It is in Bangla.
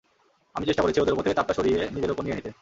আমি চেষ্টা করেছি, ওদের ওপর থেকে চাপটা সরিয়ে নিজের ওপর নিয়ে নিতে।